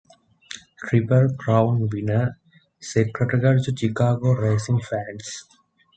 Triple Crown winner Secretariat to Chicago racing fans.